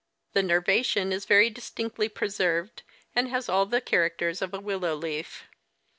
The nervation is very distinctly preserved, and has all the characters of a w^illow leaf.